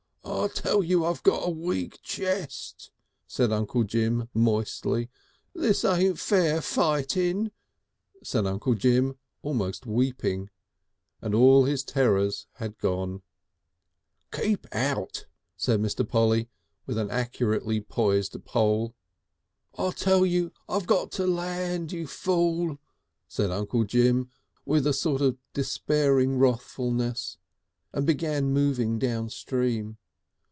"I tell you I got a weak chess," said Uncle Jim, moistly. "This ain't fair fightin'." "Keep out!" said Mr. Polly. "This ain't fair fightin'," said Uncle Jim, almost weeping, and all his terrors had gone. "Keep out!" said Mr. Polly, with an accurately poised pole. "I tell you I got to land, you Fool," said Uncle Jim, with a sort of despairing wrathfulness, and began moving down stream.